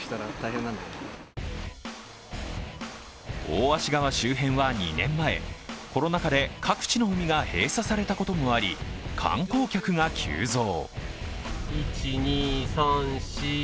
大芦川周辺は２年前コロナ禍で各地の海が閉鎖されたこともあり観光客が急増。